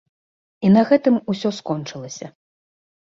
І на гэтым усё скончылася.